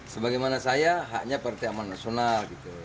sebagaimana saya haknya partai aman nasional